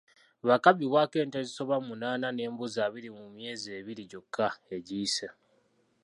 Bakaabbibwako ente ezisoba mu munaana n’embuzi abiri mu myezi ebiri gyokka egiyise.